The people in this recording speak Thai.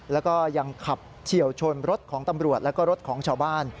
แล้วก็ยังขับเฉียวชนรถของตำรวจแล้วก็รถของชาวบ้าน